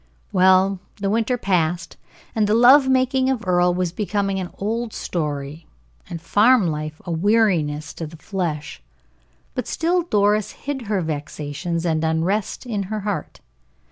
Well, the winter passed, and the love making of Earle was becoming an old story, and farm life a weariness to the flesh, but still Doris hid her vexations and unrest in her heart.